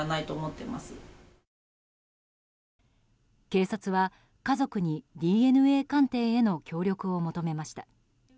警察は家族にＤＮＡ鑑定への協力を求めました。